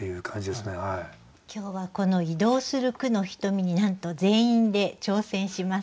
今日はこの「移動する『句のひとみ』」になんと全員で挑戦します。